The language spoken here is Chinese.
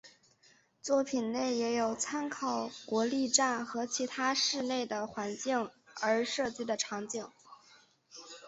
作品内也有参考国立站和其他市内的环境而设计的场景。